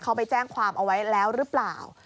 เขาไปแจ้งความเอาไว้แล้วหรือเปล่า